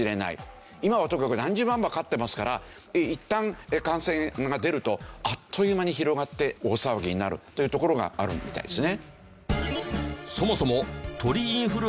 今はとにかく何十万羽飼ってますからいったん感染が出るとあっという間に広がって大騒ぎになるというところがあるみたいですね。